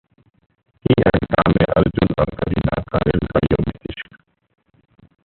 'की एंड का'में अर्जुन और करीना का रेलगाड़ियों में इश्क